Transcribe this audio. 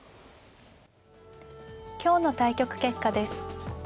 今日の対局結果です。